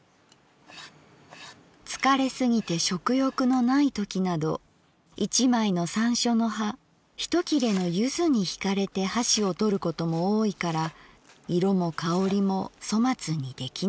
「疲れすぎて食欲のないときなど一枚の山椒の葉一切れの柚子にひかれて箸をとることも多いから色も香りも粗末に出来ない。